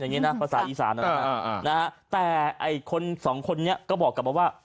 อย่างนี้นะภาษาอีสานนะแต่สองคนนี้ก็บอกกลับว่า